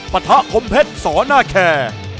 ปะทะคมเพชรสอน่าแคร์